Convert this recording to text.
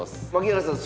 槙原さん